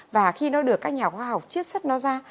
và khi nó được các nhà khoa học chiết xuất nó ra